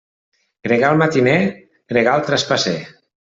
Gregal matiner, gregal trapasser.